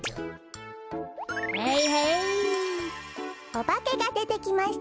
「おばけがでてきました」。